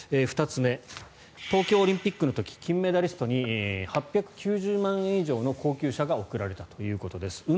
２つ目、東京オリンピックの時金メダリストに８９０万円以上の高級車が贈られたということです。